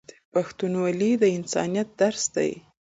پښتونولي د انسانیت درس دی.